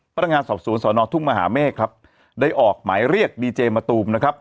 พนักงานสอบสวนสอนอทุ่งมหาเมฆครับได้ออกหมายเรียกดีเจมะตูมนะครับ